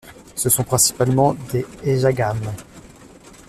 Ce sont principalement des Ejagham.